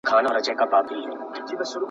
تولستوی د خپل وخت د ظلم پر وړاندې غږ پورته کړ.